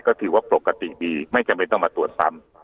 ก็ถือว่าปกติดีไม่จำเป็นต้องมาตรวจซ้ำ